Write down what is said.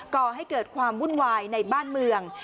ก่อให้เกิดความวุ่นวายในบ้านเมือง